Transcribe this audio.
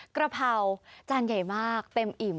กระเพราจานใหญ่มากเต็มอิ่ม